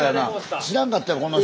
知らんかったよこの人。